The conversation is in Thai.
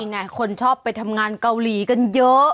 ไงคนชอบไปทำงานเกาหลีกันเยอะ